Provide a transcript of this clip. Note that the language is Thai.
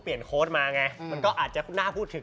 ผมว่าท่านอาจจะสับสน